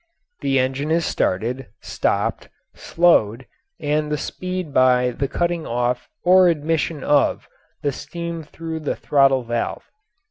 The engine is started, stopped, slowed, and sped by the cutting off or admission of the steam through the throttle valve.